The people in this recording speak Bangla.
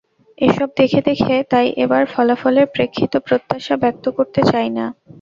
এসব দেখে দেখে তাই এবার ফলাফলের প্রেক্ষিত প্রত্যাশা ব্যক্ত করতে চাই না।